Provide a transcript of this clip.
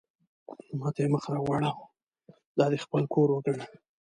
ما ته یې مخ را واړاوه: دا دې خپل کور وګڼه.